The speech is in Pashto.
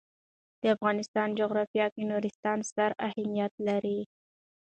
د افغانستان جغرافیه کې نورستان ستر اهمیت لري.